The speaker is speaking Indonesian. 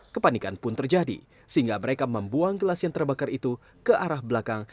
kepanikan pun terjadi sehingga mereka membuang gelas yang terbakar itu ke arah belakang